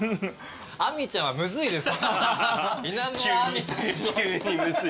亜美ちゃんはむずいです。